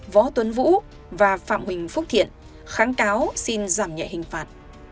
võ tuấn vũ và phạm huỳnh phúc thiện kháng cáo xin giảm nhẹ hình phạt